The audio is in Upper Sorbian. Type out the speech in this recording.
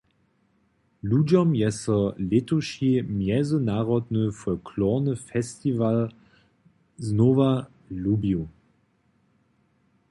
Ludźom je so lětuši mjezynarodny folklorny festiwal znowa lubił.